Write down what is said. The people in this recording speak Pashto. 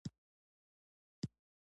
پر لاره رضوان غږ وکړ.